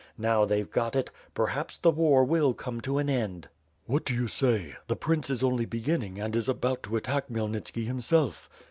Now they've got it! Perhaps the war will come to an end." "What do you say? The prince is only beginning and is about to attack Khmyelnitski himself."